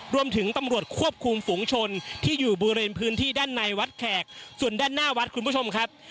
รวมถึงตำรวจควบคุมฝุงชนที่อยู่บริเวณพื้นที่ด้านในวัดแขกส่วนด้านหน้าวัดคุณผู้ชมครับ